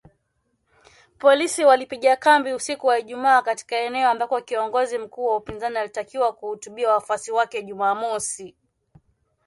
Polisi walipiga kambi usiku wa Ijumaa katika eneo ambako kiongozi mkuu wa upinzani alitakiwa kuhutubia wafuasi wake Jumamosi